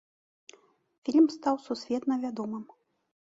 Фільм стаў сусветна вядомым.